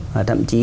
và thậm chí